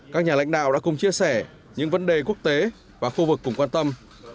các nhà lãnh đạo đã cùng chia sẻ những vấn đề quốc tế và khu vực cùng quan tâm